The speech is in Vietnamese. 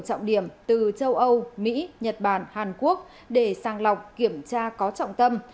trọng điểm từ châu âu mỹ nhật bản hàn quốc để sang lọc kiểm tra có trọng tâm